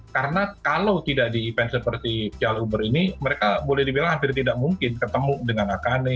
karena kalau tidak di event seperti pial uber ini mereka boleh dibilang hampir tidak mungkin ketemu dengan akane